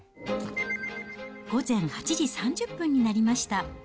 午前８時３０分になりました。